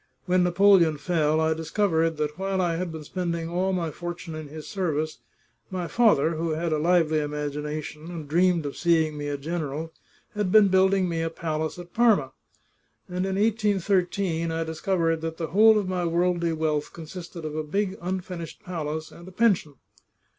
When Napoleon fell, I discovered that while I had been spending all my fortune in his service, my father, who had a lively imagination, and dreamed of seeing me a general, had been building me a palace at Parma; and in 1813 I discovered that the whole of my worldly wealth consisted of a big un finished palace and a pension."